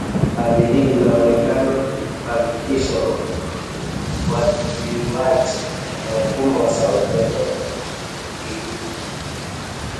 Hali hii inaonekana kuhakikisha ufuatiliwaji wa mfumo wa sauti wa lugha ya Kigirima